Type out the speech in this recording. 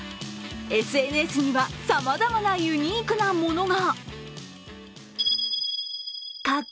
ＳＮＳにはさまざまなユニークなものが。